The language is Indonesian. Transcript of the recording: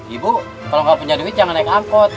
ibu kalau nggak punya duit jangan naik angkot